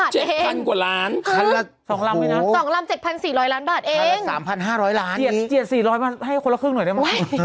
จะได้เพิ่มจาก๘๐๐ใช่ไหม